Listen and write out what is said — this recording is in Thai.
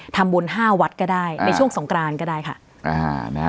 ทำบุญ๕วัดก็ได้ในช่วงสงกรานก็ได้ค่ะนะฮะ